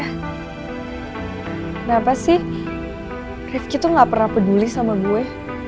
kenapa sih rifki tuh gak pernah peduli sama gue